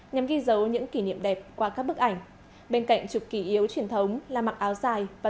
nhằm ghi dấu những kỷ niệm đẹp qua các bức ảnh bên cạnh chụp kỷ yếu truyền thống là mặc áo dài và